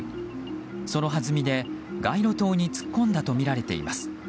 そのはずみで街路灯に突っ込んだとみられています。